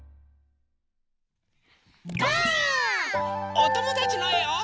おともだちのえを。